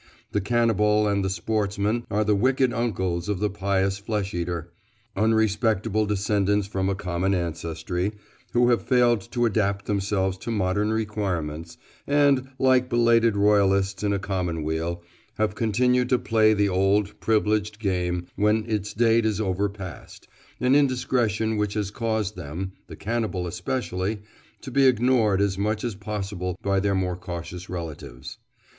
The cannibal and the sportsman are the wicked uncles of the pious flesh eater, unrespectable descendants from a common ancestry, who have failed to adapt themselves to modern requirements, and, like belated Royalists in a Commonweal, have continued to play the old privileged game when its date is over past, an indiscretion which has caused them—the cannibal especially—to be ignored as much as possible by their more cautious relatives.